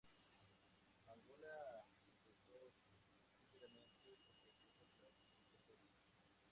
Angola empezó tímidamente su proceso clasificatorio.